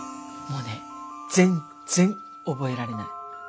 もうね全然覚えられない。